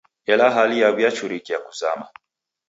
Ela hali yaw'iachurikia kuzama.